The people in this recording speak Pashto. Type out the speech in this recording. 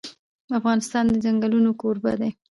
افغانستان د ځنګلونه کوربه دی.